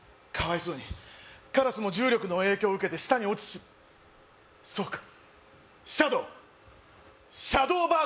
かわいそうにカラスも重力の影響を受けて下に落ちそうかシャドー！